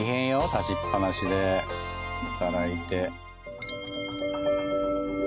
立ちっぱなしで働いて。